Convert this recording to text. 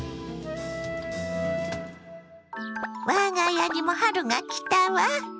我が家にも春が来たわ。